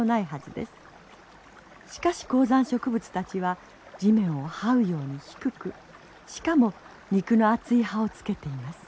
しかし高山植物たちは地面をはうように低くしかも肉の厚い葉をつけています。